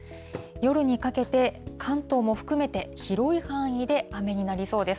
夜にかけて、関東も含めて広い範囲で雨になりそうです。